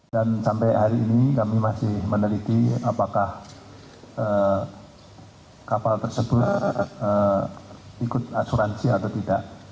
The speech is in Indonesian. dan sampai hari ini kami masih meneliti apakah kapal tersebut ikut asuransi atau tidak